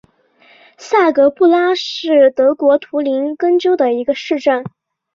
下格布拉是德国图林根州的一个市镇。